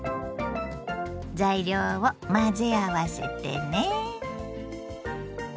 材料を混ぜ合わせてね。